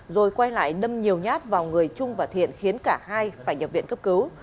rồi quay lại đâm nhiều nhát vào người trung và thiện khiến cả hai phải nhập viện cấp cứu